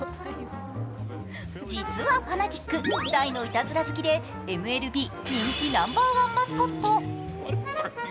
実はファナティック、大のいたずら好きでＭＬＢ人気ナンバーワンマスコット。